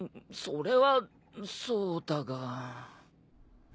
それはそうだが。